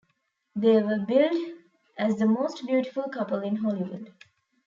They were billed as the most beautiful couple in Hollywood.